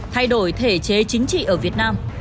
thay đổi thể chế chính trị ở việt nam